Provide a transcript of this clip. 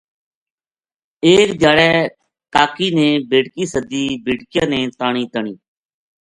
ایک دھیاڑے کا کی نے بیٹکی سدی بیٹکیاں نے تا نی تنی